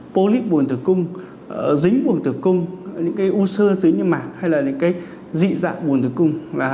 polyp bùn tử cung dính bùn tử cung những u sơ dính như mạng hay là dị dạng bùn tử cung